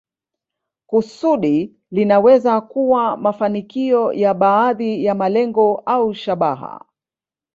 Kusudi linaweza kuwa mafanikio ya baadhi ya malengo au shabaha.